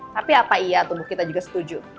tapi apa iya tubuh kita juga setuju